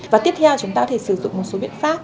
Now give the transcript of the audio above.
và tiếp theo chúng ta có thể sử dụng một số biện pháp